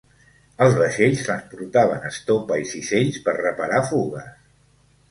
Els vaixells transportaven estopa i cisells per reparar fugues.